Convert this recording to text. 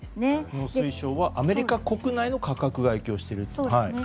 農水省はアメリカ国内の価格が影響していると。